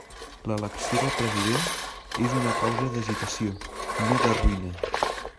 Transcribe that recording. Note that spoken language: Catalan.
L'elecció del president és una causa d'agitació, no de ruïna.